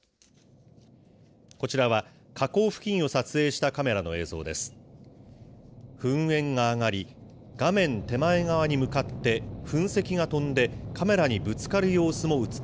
こちらは、火口付近を撮影したカメラの映像です。